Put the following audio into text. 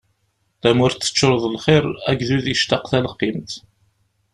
Tamurt teččur d lxiṛ agdud yectaq talqimt.